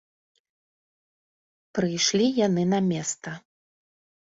Прыйшлі яны на места.